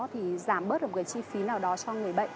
thì giảm bớt được một cái chi phí nào đó cho người bệnh